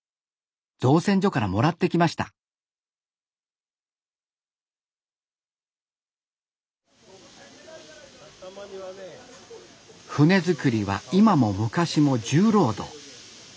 造船所からもらってきました船造りは今も昔も重労働。